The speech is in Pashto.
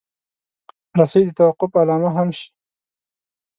رسۍ د توقف علامه هم شي.